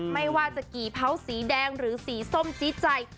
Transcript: ไม่ว่าจะกี่เผาสีแดงหรือสีส้มจี๊ดใจ